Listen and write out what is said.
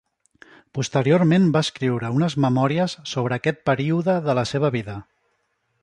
Posteriorment va escriure unes memòries sobre aquest període de la seva vida.